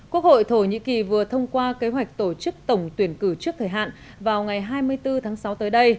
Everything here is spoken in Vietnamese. quốc hội thổ nhĩ kỳ vừa thông qua kế hoạch tổ chức tổng tuyển cử trước thời hạn vào ngày hai mươi bốn tháng sáu tới đây